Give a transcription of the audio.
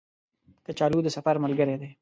کچالو د سفر ملګری دی